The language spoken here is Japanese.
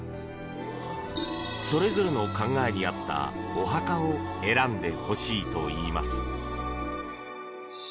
それぞれの考えに合ったお墓を選んでほしいといいます。